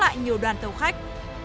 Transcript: đánh giá lại nhiều đoàn tàu khách